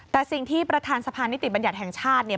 แต่สิ่งที่ประธานสะพานนิติบัญญัติแห่งชาติเนี่ย